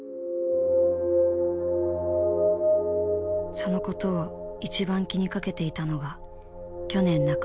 そのことを一番気にかけていたのが去年亡くなった昌弘さん。